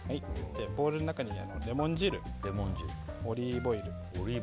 ボウルの中にレモン汁オリーブオイル。